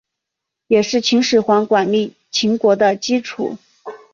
也是秦始皇管理秦国的基础。